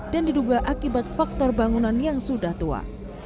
dan diduga akibat faktor bangunan yang sudah tua